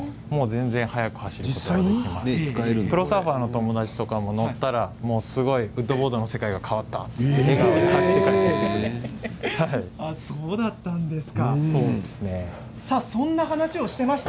プロサーファーの友達とかも乗ったらウッドボードの世界が変わったと言ってくれました。